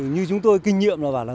như chúng tôi kinh nghiệm là